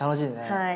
はい。